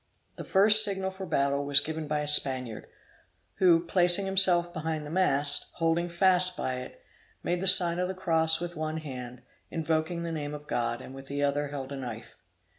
The first signal for battle was given by a Spaniard, who, placing himself behind the mast, holding fast by it, made the sign of the Cross with one hand, invoking the name of God, and with the other held a knife.